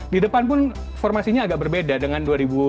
di depan pun formasinya agak berbeda dengan dua ribu dua puluh